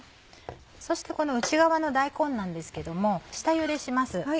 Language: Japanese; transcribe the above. そしてこの内側の大根なんですけども下ゆでします